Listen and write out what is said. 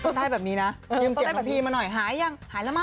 ใต้แบบนี้นะยืมเสียงพี่มาหน่อยหายยังหายแล้วมั